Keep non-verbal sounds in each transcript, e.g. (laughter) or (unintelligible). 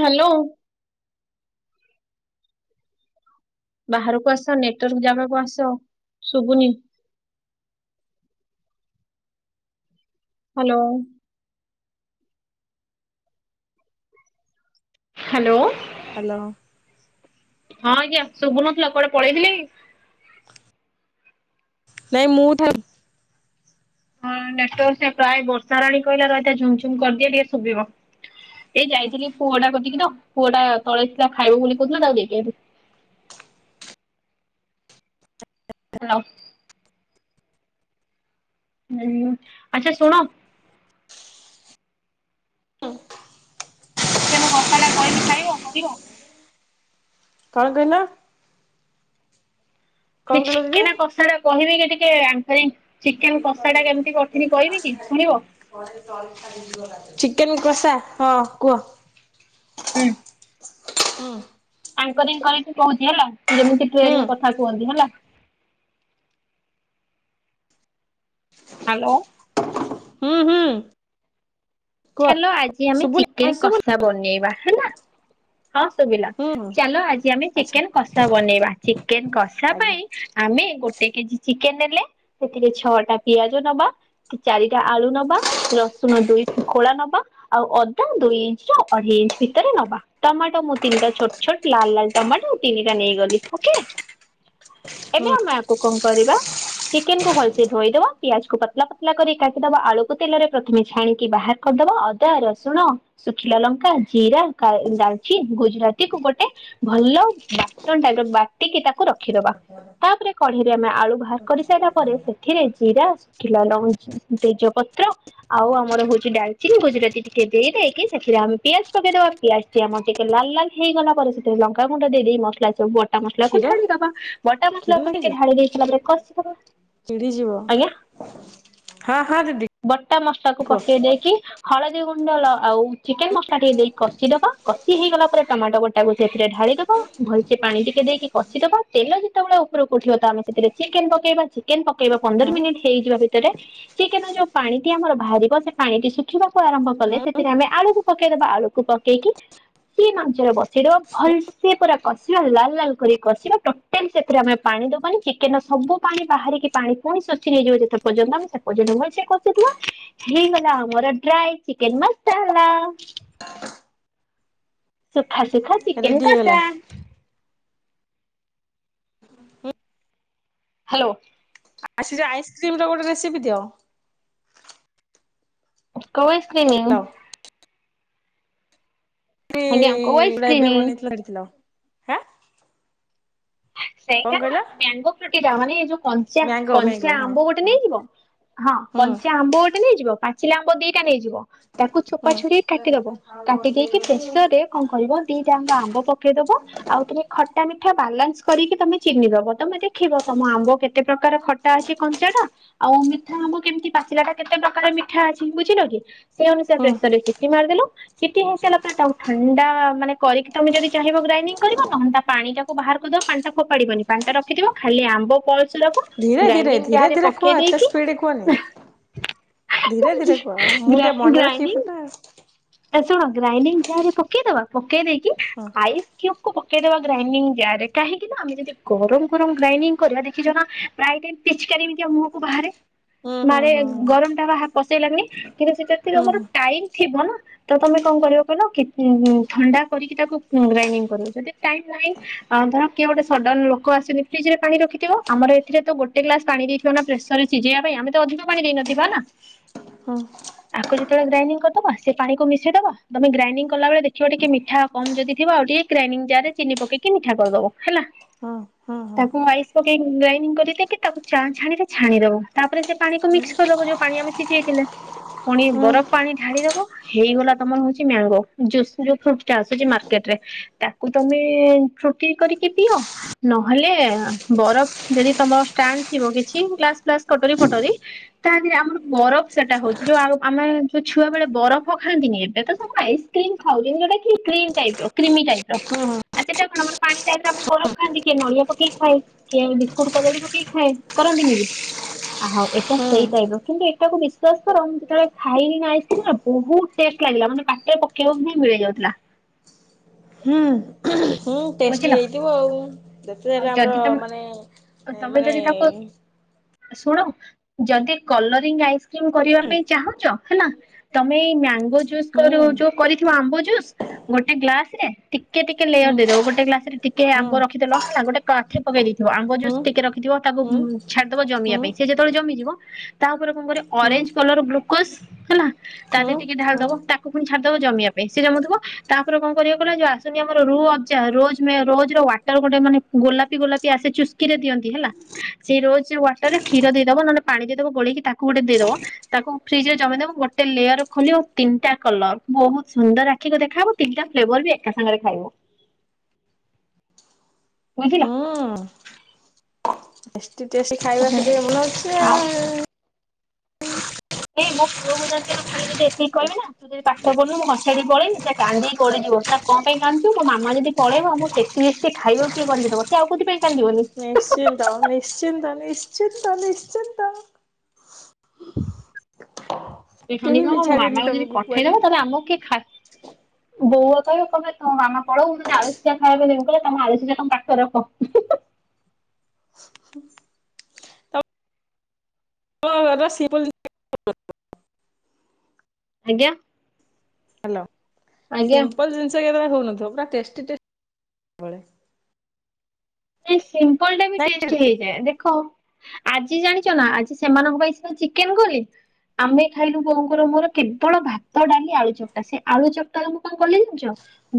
Hello. ବାହାରକୁ ଆସ network ଜାଗାକୁ ଆସ ଶୁବୁନି। ହାଲୋ। ହାଲୋ। ହାଲୋ। ହଁ ଆଜ୍ଞା ଶୁଭୁନଥିଲା କୁଆଡେ ପଳେଇଥିଲେ କି? ନାଇଁ ମୁଁ ଥ ହଁ ନେଟୱାର୍କ ଟା ପାଏ ବର୍ଷା ରାଣୀ କହିଲା ରହିଥା ଝୁମ୍ ଝୁମ୍ କରିଦିଏ ଟିକେ ଶୁବିବ। ଏଇ ଯାଇଥିଲି ପୁଅଟା କିତିକି ତ। ପୁଅଟା ତଳେ ଥିଲା ଖାଇବ ବୋଲି କହୁଥୂଲେ ତାକୁ ଦେଇକି ଆଇଲି। ହାଲୋ। ହଁ ଆଚ୍ଛା ଶୁଣ। ହୁଁ ଚିକେନ କଷା ଟା କଇନି ଖାଇବ କରିବ। କଣ କହିଲ? କଣ ମାନେ କହିଲ ଦିଦି? ଚିକେନ କଷାଟା କହିବି କି ଟିକେ ଆଙ୍କରିଂ (inaudible) ଚିକେନ ଚି କଷାଟା କେମିତି କରିଥିଲି କହିବି କି ଶୁଣିବ? ଚିକେନ୍ କଷା ହଁ କୁହ। ହୁଁ ହଁ। ଆଙ୍କରିଙ୍ଗ କରିକି କହୁଛି ହେଲା। ଯେମିତି ହୁଁ ଟ୍ରେନରେ କଥା କୁହନ୍ତି ହେଲା। ହ୍ୟାଲୋ ହୁଁ ହୁଁ। କୁହ। ଚାଲ ଆଜି ଆମେ ଶୁଭୁନି ଭଏସ ଚିକେନ ଶୁଭୁନି କଷା ବନେଇବା ହେଲା। ହଁ ଶୁଭିଲା ହୁଁ ହୁଁ ଚାଲ ଆଜି ଆମେ ଆଚ୍ଛା ଚିକେନ କଷା ବନେଇବା ଚିକେନ କଷା ଆଜ୍ଞା ପାଇଁ ଆମେ ଗୋଟେ କେଜି ଚି ଚିକେନ ନେଲେ ସେଥିରେ ଛଅଟା ପିଆଜ ନବା ଚାରିଟା ଆଳୁ ନବା ରସୁଣ ଦୁଇ ଖୋଳା ନବା ଆଉ ଅଦା ଦୁଇ ଇଞ୍ଚ ର ଅଢେଇ ଇଞ୍ଚ ଭିତରେ ନବା ଟମାଟୋ ମୁଁ ତିନିଟା ଛୋଟ ଛୋଟ ଲାଲ ଲାଲ ଟମାଟୋ ତିନିଟା ନେଇଗଲି ଓକେ। ଏବେ ଆମେ ଆକୁ କଣ କରିବା ଚିକେନକୁୁ ଭଲସେ ଧୋଇଦବା ପିଆଜ କୁ ପତଲା ପତଲା କରି କାଟିଦବା ଆଳୁକୁ ତେଲରେ ପ୍ରଥମେ ଛାଣି ବାହାର କରିଦବା ଅଦା ରସୁଣ ଶୁଖିଲା ଲଙ୍କା ଜିରା ଡାଲଚିନ ଗୁଜୁରାତି କୁ ଗୋଟେ ଭଲ ବାଟର ଟାଇପ ର ବାଟିକି ତାକୁ ରଖିଦବା ତାପରେ କଢେଇରେ ଆମେ ଆଳୁ ବାହାର କରିସାଇଲା ପରେ ସେ ଏଥିରେ ଜିରା ଶୁଖିଲା ଲଙ୍କା ତେଜପତ୍ର ଆଉ ଆମର ହଉଛି ଡାଲଚିନ ଗୁଜୁରାତି ଟିକେ ଦେଇ ଦେଇକି ସେଥିରେ ଆମେ ପିଆଜ ପକେଇଦବା ପିଆଜ ଟି ଆମର ଟିକେ ଲାଲ୍ ଲାଲ ହେଇଗଲା ପରେ ସେଥିରେ ଲଙ୍କାଗୁଣ୍ଡ ଦେଇ ଦେଇ ମସଲା ସବୁ ବଟା ମସଲା ଟା ମସଲାକୁ କ୍ଷୀର ଢାଳିଦବା ବଟା କ୍ଷୀର ମସଲାକୁ ଟିକେ ଲାଗିଛି ଢାଳି ଦେଇ ସାରିଲା ପରେ କଷି ଦବା ଚିଡିଯିବ ଆଜ୍ଞା ହଁ ହଁ ଦିଦି ବଟା ମସଲାକୁ କୁହ ଟିକେ ଦେଇକି ହଳଦୀ ହଳଦୀ ଗୁଣ୍ଡ ଆଉ ଚିକେନ ମସଲା ଟିକେ ଦେଇ କଷି ଦବା କଷି ହେଇଗଲା ପରେ ଟମାଟୋ ଗୋଟାକୁ ସେଥିରେ ଢାଳିଦବ ଭଲସେ ପାଣି ଟିକେ ଦେଇକି କଷିଦବା ତେଲ ଯେତେବେଳେ ଉପରକୁ ଉଠିବ ତ ଆମେ ସେଥିରେ ଚିକେନ ପକେଇବା ଚିକେନ ପ ପକେଇବା ପନ୍ଦର ହୁଁ ମିନିଟ୍ ହେଇଯିବା ସେଥିରେ ଚିକେନ ରୁ ଯୋଉ ପାଣି ଟି ଆମର ବାହାରିବ ସେ ପାଣିଟି ଶୁଖିବାକୁ ଆରମ୍ଭ କଲେ ହୁଁ ସେଥିରେ ଆମେ ଆଳୁକୁ ପକେଇଦବା ଆଳୁକୁ ପକେଇକି ସିମ୍ ଆଞ୍ଚରେ ବସେଇଦବା ଭଲସେ ପୁରା କଷିବା ଲାଲ ଲାଲ କରି କଷିବା ଟୋଟାଲି ସେଥିରେ ଆମେ ପାଣି ଦବାନି ଚିକେନ ସବୁ ପାଣି ବାହାରିକି ପାଣି ପୁଣି ଶୋଷି ନେଇଯିବ ଯେତେ ପର୍ଯ୍ୟନ୍ତ ଆମେ ସେତେ ପର୍ଯ୍ୟନ୍ତ ଭଲକି କଷୁ ଥିବା ହେଇଗଲା ଆମର ଡ୍ରାଇ ଚିକେନ ମସଲା। ଖାଲି ଦେଖ ଚିକେନ୍ ରେଡି ହେଇଗଲା କଷା। ହ୍ୟାଲୋ। ଆଉ ସେଇ ଯୋଉ ଆଇସ୍କ୍ରିମ ର ଗୋଟେ ରେସିପି ଦିଅ। କୋଉ ଆଇକ୍ରିମ୍ ହ୍ୟାଲୋ ସେ ଆଜ୍ଞା କୋଉ ଲାଇବ ଆଇସ୍କ୍ରିମ? ବି ବନେଇଥିଲ ଛାଡିଥିଲ। ଆ ସେଇଟା ନା ମ୍ୟାଙ୍ଗୋ ଫ୍ରୁଟି ଟା ମାନେ ଏ ଯୋଉ କଞ୍ଚା ମ୍ୟାଙ୍ଗୋ ମ୍ୟାଙ୍ଗୋ କଞ୍ଚା ହଁ ଆମ୍ବ ଗୋଟେ ହଁ ନେଇଯିବ ହଁ ହୁଁ କଞ୍ଚା ଆମ୍ବ ଗୋଟେ ନେଇଯିବ ପାଚି ପାଚିଲା ଆମ୍ବ ଦିଟା ନେଇଯିବ ତାକୁ ଚୋପା ହୁଁ ଛଡେଇ କାଟିଦବ କାଟି ଦେଇକି ପ୍ରେସର ରେ କଣ କରିବ ଦିଟା ଯାକ ଆମ୍ବ ପକେଇଦବ ଆଉ ଟିକେ ଖଟା ମିଠା ବାଲାନ୍ସ କରିକି ତମେ ଚିନି ଦବ ତମେ ଦେଖିବ ତମ ଆମ୍ବ କେତେ ପ୍ରକାର ଖଟା ଅଛି କଞ୍ଚାଟା ଆଉ ମିଠା ଆମ୍ୱ କେମିତି ପାଚିଲା ଟା କେତେ ପ୍ରକାର ମିଠା ଅଛି ବୁଝିଲ କି। ସେଇ ଅନୁସାରେ ହୁଁ ପ୍ରେସର ରେ ସିଟି ମାରିଦେଲ। ସିଟି ହେଇସାରିଲା ପରେ ତାକୁ ଥଣ୍ଡା ମାନେ କରିକି ତମେ ଯଦି ଚାହିଁବ ଗ୍ରାଇଣ୍ଡିଙ୍ଗ କରିବ ନହେଲେ ତା ପାଣି ଟାକୁ ବାହାର କରିଦବ ପାଣିଟା ଫୋପାଡିବନି ପାଣି ଟା ରଖିଥିବ ଖାଲି ଆମ୍ବ ପଲ୍ ସେରାକ ଧୀରେ ଧୀରେ ଗ୍ରାଇଣ୍ଡିଙ୍ଗ ଜାର୍ ଧୀରେ ରେ ଧୀରେ କୁହ ପକେଇ ଏତେ ଦେଇକି ସ୍ପିଡ କୁହନି। ଧୀରେ ଧୀରେ କୁହ ମୁଁ ଟିକେ ଗ୍ରାଇଣ୍ଡ ମନେ ରଖିକି ଫୁଟାଏ ଗ୍ରାଇଣ୍ଡିଙ୍ଗ ଶୁଣ ଗ୍ରାଇଣ୍ଡିଙ୍ଗ ଜାର୍ରେ ପକେଇକି ପକେଇଦବା ପକେଇ ଦେଇକି ହଁ। କି ଆଇସ୍ ପକେଇଦବା ଗ୍ରାଇଣ୍ଡିଙ୍ଗ ଜାର୍ ରେ କାହିଁକି ନା ଆମେ ଯଦି ଗରମ ଗରମ ଗ୍ରାଇଣ୍ଡିଙ୍ଗ କରିବା ଦେଖିଛ ନା ପ୍ରାୟ ଟାଇମ୍ ପିଚକାରୀ ମିତିଆ ମୁହଁକୁ ବାହାରେ ହୁଁ ହୁଁ ମାରେ ହୁଁ ଗରମ ଟା ବାହା ପସେଇଲା ଗ୍ନି କିନ୍ତୁ ସେ ଯେତେ ହୁଁ ତମର ଟାଇମ୍ ଥିବ ନା ତ ତମେ କଣ କରିବ କହିଲ ଥଣ୍ଡା କରିକି ତାକୁ ଗ୍ରାଇଡିଙ୍ଗ କରିବ ଯଦି ଟାଇମ ନାହଁ ଧର କିଏ ଗୋଟେ ସଡନ ଲୋକ ଆସିକି ଫ୍ରିଜ ରେ ପାଣି ରଖିଥିବ ଆମର ଏଥିରେ ତ ଗୋଟେ ଗ୍ଲାସ ପାଣି ଦେଇଥିବ ନା ପ୍ରେସରରେ ସିଝେଇବା ପାଇଁ ଆମେ ତ ଅଧିକ ପାଣି ଦେଇନଥିବା ନା ହୁଁ ଆକୁ ଯେତେବେଳେ ଗ୍ରାଇଣ୍ଡିଙ୍ଗ କରିଦବା ପାଣିକୁ ମିଶେଇଦବା ତମେ ଗ୍ରାଇଣ୍ଡିଙ୍ଗ କଲା ବଳେ ଦେଖିବ ଟିକେ ମିଠା କମ ଯଦି ଥିବ ଆଉ ଟିକେ ଗ୍ରାଇଣ୍ଡିଙ୍ଗ ଜାର୍ ରେ ଚିନି ପକେଇକି ମିଠା କରିଦବ ହେଲା ହୁଁ ହୁଁ ହୁଁ। ତାକୁ ଆଇସ୍ ପକେଇ ଗ୍ରାଇଣ୍ଡିଙ୍ଗ କରିଦେଇକି ତାକୁ ଚା ଛାଣିରେ ଛାଣିଦବ ତାପରେ ସେ ପାଣିକୁ ମିକ୍ସ କରିଦବ ଯୋଉ ପାଣି ଆମେ ସିଝେଇଥିଲେ ପୁଣି ହୁଁ ହୁଁ ବରଫ ପାଣି ଢାଳିଦବ। ହେଇଗଲା ତମର ହଉଛି ମ୍ୟାଙ୍ଗୋ ଜୁସ ଯୋଉ ଫ୍ରୁଟା ଆସୁଛି ମାର୍କେଟ ରେ ତାକୁ ତମେ ଫ୍ରୁଟି କରିକି ପିଅ ନହେଲେ ବରଫ ଯଦି ତମର ଷ୍ଟାଣ୍ଡ ଥିବ କିଛି ଗ୍ଲାସ ଫ୍ଲାସ କଟୋରି ଫଟରୀ ତା ଦେହରେ ଆମର ବରଫ ସେଟା ହଉଛି ଯୋଉ ଆମେ ଯୋଉ ଛୁଆ ବେଳେ ବରଫ ପ ଖାନ୍ତିନି ଏବେ ତ ସବୁ ଆଇସ୍କ୍ରିମ ଖାଉଛନ୍ତି ଯୋଉଟା କି କ୍ରିମ ଟାଇପ ର କ୍ରିମି ଟାଇପ ର ହୁଁ ଆ ସେଟା କଣ ଆମର ପାଣି ଟାଇପ ର ଆମେ ବରଫ ଖାଆନ୍ତି କିଏ ନଡିଆ ପକେଇ ଖାଏ କିଏ ବିସ୍କୁଟୁ କଦଳୀ ପକେଇ ଖାଏ କରନ୍ତିନି କି ହଉ ଏଟା ହୁଁ ସେଇ ଟାଇପ ର କିନ୍ତୁ ଏଟାକୁ ବିଶ୍ୱାସ କର ମୁଁ ଯେତେବେଳେ ଖାଇଲିି ନା ଆଇସ୍କ୍ରିମ୍ ବହୁତ ଟେଷ୍ଟ ଲାଗିଲା ମାନେ ପାଟିରେ ପକେଇବାକୁ ହିଁ ମିଳି ଯାଉଥିଲା। ହୁଁ। ହୁଁ ଟେଷ୍ଟି ବୁଝିଲ ହେଇଥିବ ଆଉ ଯେତେ ଯାହେଲେ ଆଉ ଆମର ଯଦି ମାନେ ତମେ ତମେ ମାନେ ଯଦି ତାକୁ ଶୁଣ ଯଦି କଲରିଂ ଆଇସ୍ ମ୍ କରିବା ହୁଁ ପାଇଁ ଚାହୁଁଚ ହେଲା ତମେ ଏଇ ମ୍ୟା ଗୋ ଯୁସ୍ ହୁଁ କରୁ ଯୋଉ କରିଥିବା ଆମ୍ବ ଯୁ ଜୁସ୍ ଗୋଟେ ଗ୍ଲାସ ରେ ଟିକେ ଟିକେ ଲେୟର ହୁଁ ହୁଁ ଦେଇଦବ ଗୋଟେ ଗ୍ଲାସରେ ଟିକେ ହୁଁ ଆମ୍ବ ରଖିଦେଲ ହେଲା ଗୋ ତ ଆଖି ପକେଇ ଦେଇଥିବ ଆମ୍ବ ହୁଁ ଜୁସ୍ ଟିକେ ରଖି ଥିବ ତାକୁ ହୁଁ ଛାଡିଦବ ଜମିବା ପାଇଁ ସେ ଯେତେବେଳେ ଜମି ଯିବ ତାପରେ କଣ କରିବ ହୁଁ ହୁଁ। ଅରେଞ୍ଜ କଲର ଗ୍ଲୁକୋଜ ହେଲା ତା ହୁଁ ଦେ ଟିକେ ଢାଳି ଦବ ତାକୁ ପୁଣି ଛାଡିଦବ ଜମିବା ପାଇଁ ସେ ଜମୁଥିବ ତାପରେ କଣ କରିବାକୁ ଯଉ ଆସୁନି ଆମର ରୁହଅଫ ଜା ର ରୋଜ ର ୱାଟର ଗୋଟେ ମାନେ ଗୋଲାପି ଗୋଲାପ ଆସେ ଚୁସ୍କିରେ ଦିଅନ୍ତି ହେଲା ସେଇ ରୋଜ ୱାଟରରେ କ୍ଷୀର ଦେଇଦବ ନହଲେ ପାଣି ଦେଇଦବ ଗୋଳି ତାକୁ ଗୋଟେ ଦେଇଦବ ତାକୁ ଫ୍ରିଜ ରେ ଜମେଇଦବ ଗୋଟେ ଲେୟର ଖୋଲିବ ଆଉ ତିନିଟା କଲର ବହୁତ ସୁନ୍ଦର ଆଖିକି ଦେଖାଯିବ ତିନିଟା ଫ୍ଲେଭର୍ ବି ଏକା ସାଙ୍ଗରେ ଖାଇବ। ବୁଝିଲ। ହୁଁ ଏତେ ଟେଷ୍ଟୀ ଖାଇବା ହୁଁ (unintelligible) ବନଉଛୁ ଆଉ। ଏଇ ମୋ ପୁଅକୁ ଜାଣିଛ ନା ଖାଲି ଯଦି ଏତିିହିବି ନା ତୁ ଯଦି ପାଠ ପଢୁନୁ ମୁଁ ଘର ଛାଡିକି ପଳେଇବି ସେ କାନ୍ଦି କି ଗଡ଼ିଯିବ ନା କଣ ପାଇଁ କାନ୍ଦୁଛୁ ନା ମୋ ମାମା ଯଦି ପଳେଇବ ଆ ମୋତେ ଟେଷ୍ଟି ଟେଷ୍ଟି ଖାଇବାକୁ କିଏ କରିକି ଦବ ସେ ଆଉକଉଥି ପାଇଁ କାନ୍ଦିବନି ନିଶ୍ଚିନ୍ତ ନିଶ୍ଚିନ୍ତ ନିଶ୍ଚିନ୍ତ ନିଶ୍ଚିନ୍ତ। ଏ ଖାଲି କେହି ବି କହିବ ମୋ ଛାଡିବେନି ମାମାକୁ ଯଦି ତମକୁ କୁଆଡେ ପଠେଇଦବ ତାହେଲେ ଆମକୁ କିଏ ଖା ବୋଉ ବା କହିବେ କହିବେ ତମେ ତମ ମାମା ପଳାଉ ମୁଁ ତତେ ଆଳୁସିଝା ଖାଇବାକୁ ଦେବି, ମୁଁ କହିଲି ତମ ଆଳୁସିଝା ତମ ପାଖରେ ରଖ। ହଁ ଏରା ସିମ୍ପୁଲ (unintelligible) ଆଜ୍ଞା। ହାଲୋ ଆଜ୍ଞା ସିମ୍ପୁଲ ଜିନିଷ କେତେଟା (unintelligible) ହଉଥିବ ପୁରା ଟେଷ୍ଟି ଟେଷ୍ଟି ବେଳେ। ଆ ସିମ୍ପ ଲ ଟା ବି ନାଇଁ ଟେଷ୍ଟ ହେଇଥାଏ, ଦେଖ ଆଜି ଜାଣି (unintelligible) ନା ଆଜି ସେମାନଙ୍କ ପାଇଁ ସିନା ଚିକେନ କଲି, ଆମେ ଖାଇଲୁ ବୋଉଙ୍କର ମୋର କେବଳ ଭାତ, ଡାଲି, ଆଳୁ ଚକଟା, ସେ ଆଳୁ ଚକଟା ମୁଁ କଣ କଲି ଜଣିଛ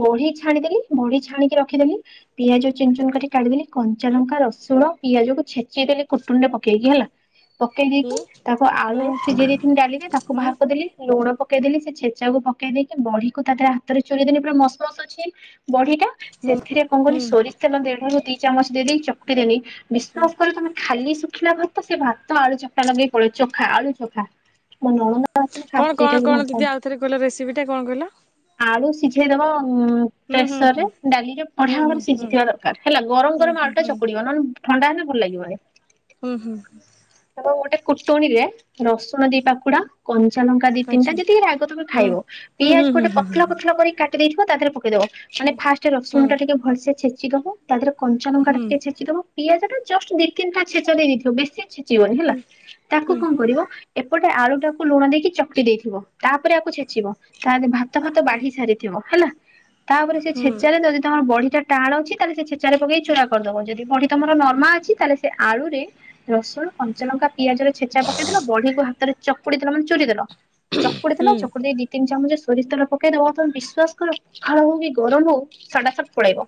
ବଢି ଛାଣିଦେଲି ବଢି ଛାଣିକି ରଖିଦେଲି ପିଆଜ ଚୁନ ଚୁନ କରି କାଢିଦେଲି କଞ୍ଚାଲଙ୍କା, ରସୁଣ ପିଆଜକୁ ଛେଚି ଦେେଲି କୁଟୁଣି ରେ ପକେଇକି ହେଲା। ପକେଇ ହୁଁ ଦେଇକି ତାକୁ ଆଳୁ ହୁଁ ସିଝେଇ ଦେଇଥିଲି ଡାଲିରେ ତାକୁ ବାହାର ହୁଁ କରିଦେଲି। ଲୁଣ ପକେଇ ଦେଲି ସେ ଛେଚାକୁ ପକେଇ ଦେଇକି ବଢିକୁ ତା ଦେହେରେ ହାତରେ ଚୁରି ଦେଲି ପୁରା ମସ୍ ମସ୍ ଅଛି ବଢି ଟା। ସେଥିରେ କଣ କଲି ହୁଁ ସୋରିଷ ତେଲ ଦେ ଦି ଚାମଚ ଦେଇ ଦେଇ ଚକଟି ଦେଲି। ହୁଁ। ବିଶ୍ୱାସ କର ତମେ ଖାଲି ଶୁଖିଲା ଭାତ ସେ ଭାତ ଆଳୁ ଚକଟା ଲଗେଇ ପଳେଇ ଚୋଖା ଆଳୁ ଚୋଖା, ମୋ ନଣନ୍ଦ ଆସିକି ଫାଷ୍ଟ ସେଇଟାକୁ ଭଲ କଣ-କଣ-କଣ ଦିଦି ପାଆନ୍ତି। ଆଉଥରେ କହିଲ ରେସିପିଟା କଣ କହିଲ? ଆଳୁ ସିଝେଇଦବ ଉ ହୁଁ ହୁଁ ପ୍ରେସର ରେ ହୁଁ ଡାଲିରେ ହୁଁ ବଢିଆ ଭାବରେ ହୁଁ ସିଝିଥିବା ଦରକାର ହେଲା ଗରମ ହୁଁ ଗରମ ହୁଁ ହୁଁ ଆଳୁଟା ହୁଁ ଚକୁଡିବ ନହେଲେ ଥଣ୍ଡା ହେଲେ ଭଲ ଲାଗିବନି। ହୁଁ ହୁଁ ହୁଁ। ଗୋଟେ କୁଟଣୀରେ ରସୁଣ ଦି ପାଖୁଡା କନ୍ କଞ୍ଚାଲଙ୍କ ଦି ତିିନ୍ ଟା ଆଚ୍ଛା ଯେତିକି ରାଗ ତମେ ହୁଁ ଖାଇବ ହୁଁ ପିଆଜ୍ ହୁଁ ଗୋଟେ ହୁଁ ହୁଁ ପତ୍ଲା ପତ୍ଲା କରି କା କାଟି ଦେଇଥିବ ତା ଧେରେ ପକେଇଦବ। ମାନେ ଫାଷ୍ଟ ହୁଁ ରସୁଣଟା ଟିକେ ଭଲସେ ଛେ ଦବ ତା ଧେରେ କଞ୍ଚଲଙ୍କାଟା ହୁଁ ଟିକେ ଛେଚି ଦବ। ପିଆଜଟା ଜଷ୍ଟ ଦି ତିନିଟା ଛେଚା ଦେଇ ଦେଇଥିବ ବେଶୀ ଛେ ଛେଚିବନି ହେଲା ତାକୁ ହୁଁ କଣ କରିବ ଏପଟେ ଆଳୁ ଟାକୁ ଲୁଣ ଦେଇକି ଚକଟି ଦେଇଥିବ ତାପରେ ଆକୁ ଛେଚିବ ତା ଭା ଭାତ ଫାତ ହୁଁ ବାଢି ସାରିଥିବ ହେଲା। ତାପରେ ସେ ହୁଁ ଛେଚାରେ ଯଦି ତମର ବଢିଟା ଟାଣ ଅଛି ତାହେଲେ ସେ ଛେଚାରେ ପକେଇି ଚୁରା କରିଦବ ଯଦି ବଢି ତମର ନର୍ମା ଅଛି ତାହେଲେ ସେ ଆଳୁରେ ରସୁଣ କଞ୍ଚ ଲଙ୍କା ପିଆଜର ଛେଚା ପକେଇଦଲ ବଢିକୁ ହାତରେ ଚକୁଡି ଦେଲ ମାନେ ଚୁରି ଦେଲ। ଚକୁଡି ଦେଲ ହୁଁ ଚକୁଡି ଦେଇ ଦି ତିନି ଚାମଚ ସୋରିଷ ତେଲ ପକେଇଦବ ତମେ ବିଶ୍ୱାସ କର ପଖାଳ ହଉ କି ଗରମ ହଉ ସଟା ସଟ୍ ପଳେଇବ।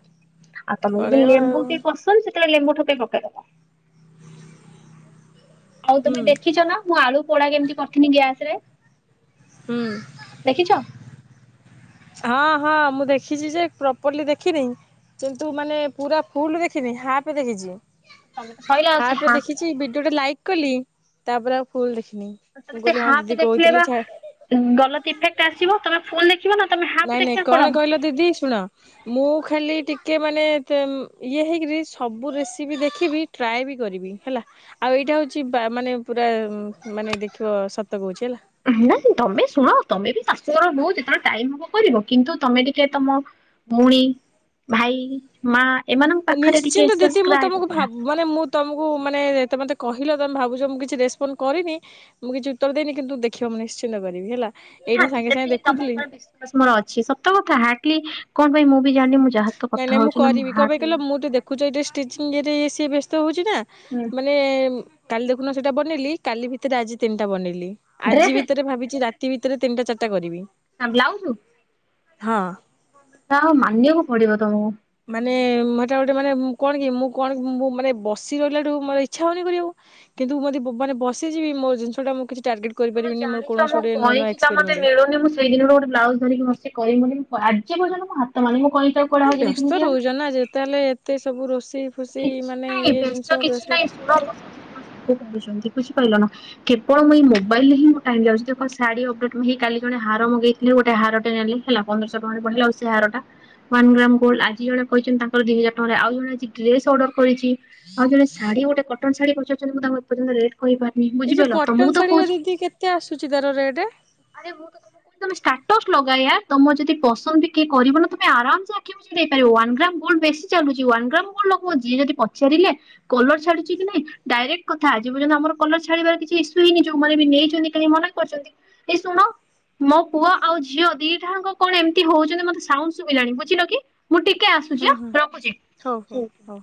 ଆଉ ତମେ ଯଦି ପଳେଇବ ଲେମ୍ବୁ ଆଉ କେ ପସନ୍ଦ ସେ (unintelligible) ଲେମ୍ବୁ ଠୋପେ ପକେଇଦବ। ଆଉ ହୁଁ ତମେ ଦେଖିଛ ନା ମୁଁ ଆଳୁ ପୋଡ଼ା କେମିତି କରିଥିଲି ଗ୍ୟାସରେ। ହୁଁ ଦେଖିଛ? ହଁ ହଁ ମୁଁ ଦେଖିଛି ଯେ ପ୍ରପର୍ଲି ଦେଖିନି କିନ୍ତୁ ମାନେ ପୁରା ଫୁଲ ଦେଖିନି ହାଫ୍ ଦେଖିଛି। ତମେ ତ ସଇଲା ଆଉ ସେ ହାପ ହା ଦେଖିଛି ଭିଡିଓଟା ଲାଇକ୍ କଲି ତାପରେ ଆଉ ଫୁଲ୍ ଦେଖି ତମେ ସେ ହାପ ଦେଖିଲେ ବା ଗଲତ୍ ଇଫେକ୍ଟ ଆସିବ ତମେ ଫୁଲ୍ ଦେଖିବ ନା ତମେ ହାଫ୍ ନାଇଁ ନାଇଁ ଦେଖିଲେ କଣ ହବ? କହିଲ ଦିଦି ଶୁଣ ମୁଁ ଖାଲି ଟି କେ ମାନେ ଇଏ ହେଇକରି ସବୁ ରେସିପି ଦେଖିବି ଟ୍ରାଏ ବି କରିବି ହେଲା ଆଉ ଏଇଟା ହେଉଛି ବା ମାନେ ପୁରା ମାନେ ଦେଖିବ ସତ କହୁଛି ହେଲା। ନା ତମେ ଶୁଣ ତମେ ବି ଶାଶୁଘର ବୋହୂ ଯେତେବେଳେ ଟାଇମ ହବ କରିବ କିନ୍ତୁ ତମେ ଟିକେ ତମ ଭଉଣୀ ଭାଇ ମା ଏମାନଙ୍କ ପାଖରେ ଟିକେ ନିଶ୍ଚିନ୍ତ ଦିଦି ମୁଁ ସବସ୍କ୍ରାଇବ ତମକୁ ପଢା। ଭାବ ମାନେ ମୁଁ ତମକୁ ମାନେ ତମେତ କହିଲ ତମେ ଭାବୁଛ ମୁଁ କିଛି ରେସପଣ୍ଡ କରିନି ମୁଁ କିଛି ଉତ୍ତର ଦେଇନି କିନ୍ତୁ ଦେଖିବ ମୁଁ ନିଶ୍ଚିନ୍ତ କରିବି ହେଲା। ଏଇନା ନିହାତି ସାଙ୍ଗେ ସାଙ୍ଗେ ସେତିକି ତମ ଦେଖୁଥିଲି ଉପରେ ବିଶ୍ଵାସ ମୋର ଅଛି ସତ କଥା ହା ଟି ନାଇଁ ନାଇଁ ମୁଁ କରିବି କଣ ପାଇଁ କହିଲ ମୁଁ ତ ଦେଖୁଛ ଏଇ ଷ୍ଟିଚି ଇଏରେ ସେ ବ୍ୟସ୍ତ ହଉ ଚି ନା ହୁଁ। ମାନେ କାଲି ଦେଖୁନ ସେଇଟା ବନେଇଲି କାଲି ଭିତରେ ଆଜି ତିନଟା ବନେଇଲି। ଆଜି ଡ୍ରେସ୍ ଭିତରେ ଭାବିଛି ରା ତି ଭିତରେ ତିିନିଟା ଚାରିଟା କରିବି। ନା ବ୍ଲାଉଜୁ? ହଁ। ହଉ ମାନିବାକୁ ପଡିବ ତମୁକୁ। ମାନେ ସେଟା ଗୋଟେ ମାନେ କଣ କି ମୁଁ କଣ ମୁଁ ମୁଁ ମାନେ ବସି ରହିଲାଠୁ ମୋର ଇଚ୍ଛା ହଉନି କରିବାକୁ, କିନ୍ତୁ ମୁଁ ଯଦି ବ ମାନେ ବସିଯିବି ମୋ ଜିନିଷଟା ମୁଁ କିଛି ଟାର୍ଗେଟ ତମେ କରିପାରିବିନି ମୋର ଜଣିଛ କୌଣସି ଆମ ଗୋଟେ ନୂଆ ନୂଆ କଇଚିଟା ମତେ ଏକ୍ସପେରିମେଣ୍ଟ। ମିଳୁନି ମୁଁ ସେଇ ଦିନରୁ ଗୋଟେ ବ୍ଲାଉଜ ଧରିକି ବସିିବୁନି। ଆଜି ପର୍ଯ୍ୟନ ମୁଁ ହାତ ମାରିନି। ଏ ବ୍ୟସ୍ତ ରହୁଛ ନା ଯେତେ ହେଲେ ଏତେ ସବୁ ରୋଷେଇ। ଫୋଷେଇ କିଛି ମାନେ ନାହିଁ ଇଏ ଜିନିଷ ବ୍ୟସ୍ତ କିଛି ନାଇଁ ଶୁଣ ମୋ ଶାଶୁ ମା ସବୁ କରୁଛନ୍ତି ବୁଝିପାରିଲ ନା। କେବଳ ମୁଁ ଏଇ ମୋବାଇଲ ହିଁ ଯାଉ ଶାଢୀ ଅପେଟଇ କାଲି ଜଣେ ହାର ମଗେଇଥିଲେ ଗୋଟେ ହାରଟେ ନେଲେ ହେ ପନ୍ଦରଶହ ଟଙ୍କାରେ ପଢିଲାଉ ସେ ହାର ଟା। ୱନ୍ ଗ୍ରାମ ଗୋଲଡ ଆଜି ଜଣ କହିଛନ୍ତି। ଦି ହଜାର ଟଙ୍କାରେ ଆଉ ଜଣେ ଆଜି ଡ୍ରେସ ଓଡ଼ର କରିଛି ଆଉ ଜଣେ ଶାଢୀ ଗୋଟେ କଟନ୍ ଶାଢୀ ପାରୁଛନ୍ତି ମୁଁ ତାଙ୍କୁ ଏ ପର୍ଯ୍ୟନ୍ତ ରେଟ୍ କହିପାରନି ଏଇ ଯୋଉ ବୁଝିପାରିଲ କଟନ ତମକୁ ତ ଶାଢୀର କହୁଛି ଦିଦି କେତେ ଆସୁଛି ତାର ରେଟ୍? ଆରେ ମୁଁ ତ କୋହୁଚି ଚ ଲଗାଇବା ତମ ଯଦି ପସନ୍ଦ ବି କିଏକରିବନା ତମେ ଆରାମସ ଆଖି ବୁଝେଇାଇପାର ୱାନ୍ ଗ୍ରାମ ଗୋଲଡ ବେଶୀ ଚାଲଛି ୱାନ୍ ଗ୍ରାମ କଣ ଲୋକ ଯିଏ ଯଦି ପଚାରିଲେ କଲର ଛାଡୁଛି କି ନାଇଁ ଡାଇରେକ୍ଟ କଥା ଆଜି ପର୍ଯ୍ୟନ୍ତ ଆମର କଲର ଛାଡିବାର କିଛି ଇସ୍ୟୁ ହିଁନି ଯୋଉମାନେ ବି ନେଇଛନ୍ତି କି ମନେ କରିଛନ୍ତି ଏ ଶୁଣ ମୋ ପୁଅ ଆଉ ଝିଅ ଦିଟାଙ୍କ କଣ ଏମିତି ହଉଛନ୍ତି ମତେ ସାଉଣ୍ଡ ଶୁଭିଲାଣି ବୁଝିଲ କି। ମୁଁ ଟିକେ ଆସୁଛି ହୁଁ ହୁଁ ରଖୁଛି। ହଉ ହଉ ହୁ। ହଉ।